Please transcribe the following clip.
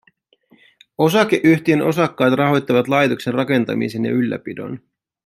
Osakeyhtiön osakkaat rahoittavat laitoksen rakentamisen ja ylläpidon